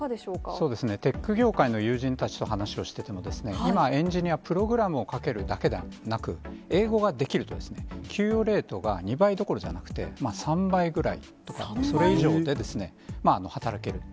そうですね、テック業界の友人たちと話をしてるとですね、今、エンジニアはプログラムを書けるだけではなく、英語ができるとですね、給料レートが２倍どころじゃなくて、３倍ぐらいとか、それ以上で、働ける。